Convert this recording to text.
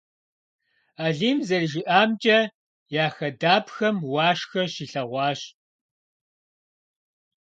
Алим зэрыжиӏэмкӏэ, я хадапхэм уашхэ щилъэгъуащ.